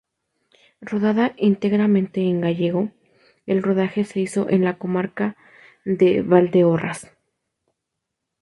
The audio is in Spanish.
Rodada íntegramente en gallego, el rodaje se hizo en la comarca de Valdeorras.